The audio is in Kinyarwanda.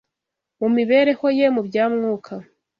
mu mibereho ye mu bya Mwuka